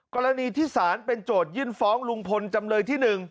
กรณีที่ศาลเป็นโจทยื่นฟ้องลุงพลจำเลยที่๑